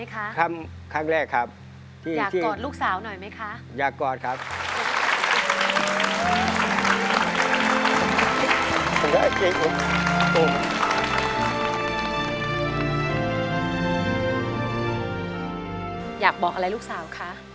อยากบอกอะไรลูกสาวคะ